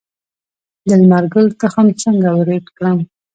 د لمر ګل تخم څنګه وریت کړم؟